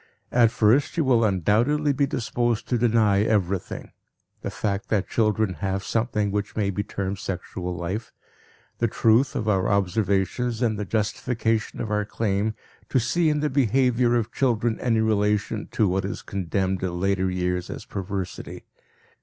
At first you will undoubtedly be disposed to deny everything the fact that children have something which may be termed sexual life, the truth of our observations and the justification of our claim to see in the behavior of children any relation to what is condemned in later years as perversity.